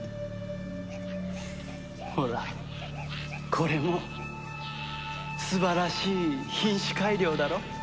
ほらこれも素晴らしい品種改良だろ？